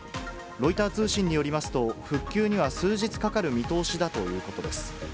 ロイター通信によりますと、復旧には数日かかる見通しだということです。